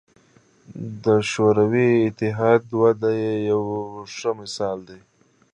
د شوروي اتحاد وده یې یو ښه مثال دی.